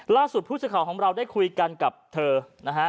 ล่าสุดพุธศาสตร์ของเราได้คุยกันกับเธอนะฮะ